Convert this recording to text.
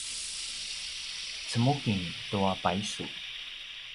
cemuking tua paysu